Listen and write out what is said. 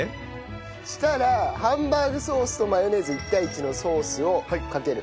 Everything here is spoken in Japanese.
そしたらハンバーグソースとマヨネーズ１対１のソースをかける。